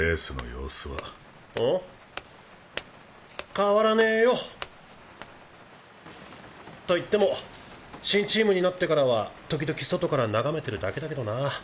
変わらねぇよ。といっても新チームになってからは時々外から眺めてるだけだけどな。